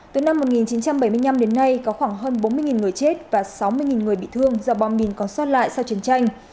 từ năm một nghìn chín trăm bảy mươi năm đến nay có khoảng hơn bốn mươi người chết và sáu mươi người bị thương do bom mìn còn xót lại sau chiến tranh